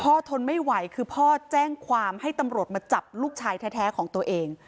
ทนไม่ไหวคือพ่อแจ้งความให้ตำรวจมาจับลูกชายแท้ของตัวเอง